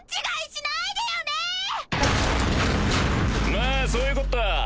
まあそういうこった。